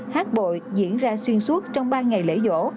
hát bội diễn ra xuyên suốt trong ba ngày lễ vỗ